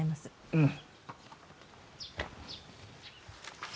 うん。